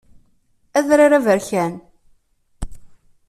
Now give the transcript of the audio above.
Adrar aberkan.